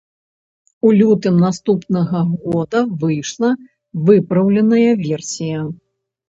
У лютым наступнага года выйшла выпраўленая версія.